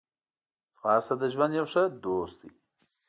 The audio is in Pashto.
ځغاسته د ژوند یو ښه دوست دی